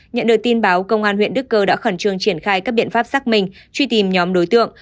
nhận được tin báo công an huyện đức cơ đã khẩn trương triển khai các biện pháp xác minh truy tìm nhóm đối tượng